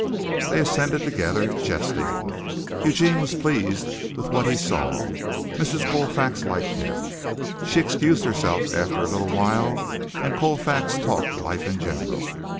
They ascended together, jesting. Eugene was pleased with what he saw. Mrs. Colfax liked him. She excused herself after a little while and Colfax talked life in general.